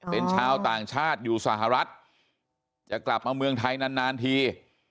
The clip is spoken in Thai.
เป็นชาวต่างชาติอยู่สหรัฐจะกลับมาเมืองไทยนานที